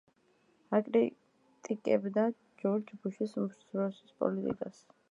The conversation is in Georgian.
აკრიტიკებდა ჯორჯ ბუში უმცროსის პოლიტიკას.